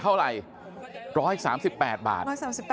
เท่าไหร่๑๓๘บาท